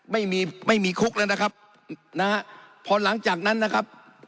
ไม่มีไม่มีคุกแล้วนะครับนะฮะพอหลังจากนั้นนะครับ